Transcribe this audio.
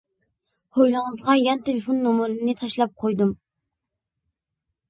ھويلىڭىزغا يان تېلېفون نومۇرۇمنى تاشلاپ قويدۇم.